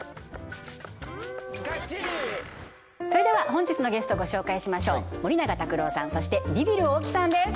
本日のゲストご紹介しましょう森永卓郎さんそしてビビる大木さんです